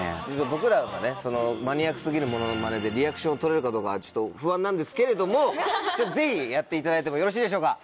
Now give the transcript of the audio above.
僕らがマニアック過ぎるモノマネでリアクションをとれるかどうかは不安なんですけれどもぜひやっていただいてもよろしいでしょうか？